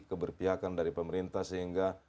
keberpihakan dari pemerintah sehingga